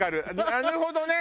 なるほどね。